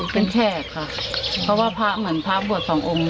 เป็นแฉกค่ะเพราะว่าพระเหมือนพระบวชสององค์